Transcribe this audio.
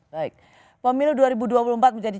baik pemilu dua ribu dua puluh empat menjadi